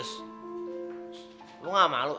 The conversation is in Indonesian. saya mau minta maaf pak